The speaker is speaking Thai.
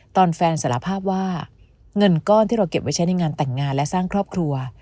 ตอนแฟนสารภาพว่าเงินก้อนที่เราเก็บไว้ใช้ในงานแต่งงานและสร้างครอบครัว